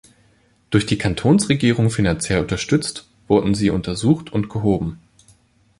Durch die Kantonsregierung finanziell unterstützt, wurden sie untersucht und gehoben.